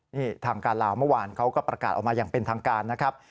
นี่ทางการลาวเมื่อวานเขาก็ประกาศออกมาอย่างเป็นทางการนะครับ